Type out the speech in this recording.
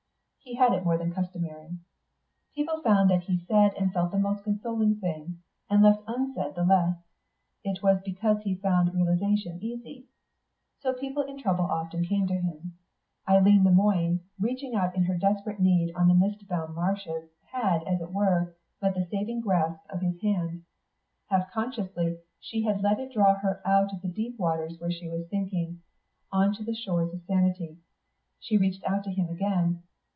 He had it more than is customary. People found that he said and felt the most consoling thing, and left unsaid the less. It was because he found realisation easy. So people in trouble often came to him. Eileen Le Moine, reaching out in her desperate need on the mist bound marshes, had, as it were, met the saving grasp of his hand. Half consciously she had let it draw her out of the deep waters where she was sinking, on to the shores of sanity. She reached out to him again.